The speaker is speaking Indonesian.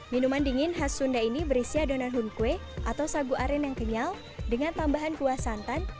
minuman dingin khas sunda ini berisi adonan hunkwe atau sagu aren yang kenyal dengan tambahan kuah santan